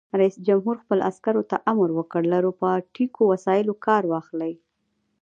رئیس جمهور خپلو عسکرو ته امر وکړ؛ له روباټیکو وسایلو کار واخلئ!